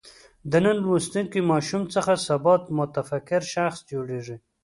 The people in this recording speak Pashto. د نن لوستونکی ماشوم څخه سبا متفکر شخص جوړېږي.